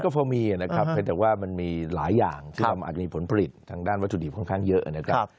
ก็พอมีนะครับเพียงแต่ว่ามันมีหลายอย่างที่เราอาจจะมีผลผลิตทางด้านวัตถุดิบค่อนข้างเยอะนะครับ